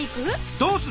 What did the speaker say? どうする！